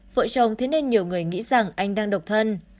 vợ chồng thế nên nhiều người nghĩ rằng anh đang độc thân